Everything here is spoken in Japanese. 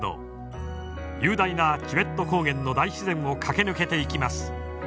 雄大なチベット高原の大自然を駆け抜けていきます。